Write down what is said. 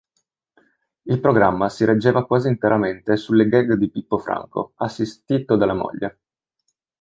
Il programma si reggeva quasi interamente sulle gag di Pippo Franco, assistito dalla moglie.